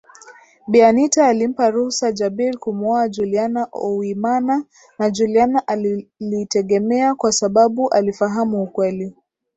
Bi Anita alimpa ruhusa Jabir kumuoa Juliana Owimana na Juliana alilitegemea kwsababu alifahamu ukweli